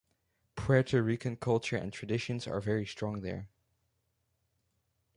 Puerto Rican culture and traditions are very strong there.